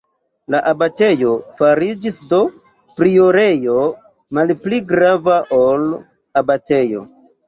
La abatejo fariĝis do priorejo, malpli grava ol abatejo.